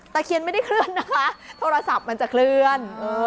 เคียนไม่ได้เคลื่อนนะคะโทรศัพท์มันจะเคลื่อน